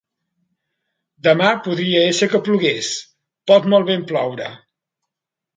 Demà podria ésser que plogués, pot molt ben ploure.